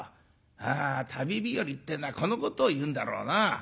あ旅日和っていうのはこのことを言うんだろうな。